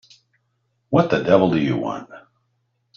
What the devil do you want?